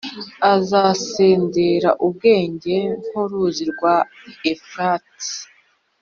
azasendera ubwenge nk’uruzi rwa Efurati,